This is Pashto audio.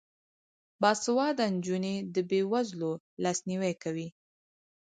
باسواده نجونې د بې وزلو لاسنیوی کوي.